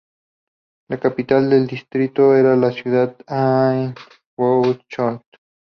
La capital del distrito era la ciudad de Annaberg-Buchholz.